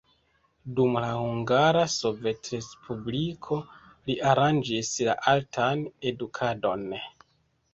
Dum la Hungara Sovetrespubliko li aranĝis la altan edukadon.